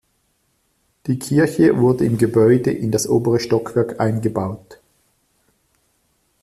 Die Kirche wurde im Gebäude in das obere Stockwerk eingebaut.